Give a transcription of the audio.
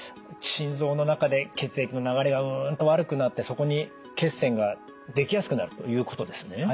心臓の中で血液の流れがうんと悪くなってそこに血栓ができやすくなるということですね。